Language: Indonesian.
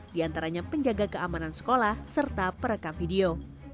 diantaranya penjaga keamanan sekolah serta perekam video